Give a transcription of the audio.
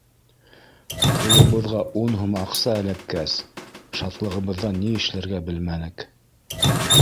Ҡулыбыҙға ун һум аҡса эләккәс, шатлығыбыҙҙан ни эшләргә белмәнек.